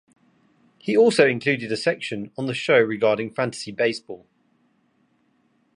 He also included a section on the show regarding fantasy baseball.